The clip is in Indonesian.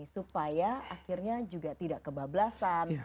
supaya akhirnya juga tidak kebablasan